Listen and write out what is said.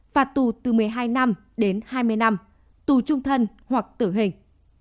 phạt tù từ một mươi hai năm đến hai mươi năm tù trung thân hoặc tử hình